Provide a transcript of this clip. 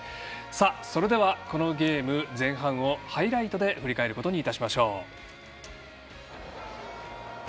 それでは、このゲームの前半をハイライトで振り返ることにいたしましょう。